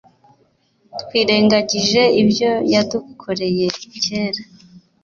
twirengagije ibyo yadukoreye kera